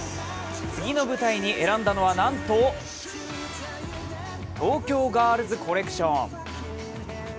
次の舞台に選んだのはなんと東京ガールズコレクション。